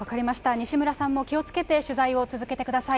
西村さんも気をつけて取材を続けてください。